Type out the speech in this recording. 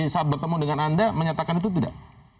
saat bertemu dengan anda menyatakan itu tidak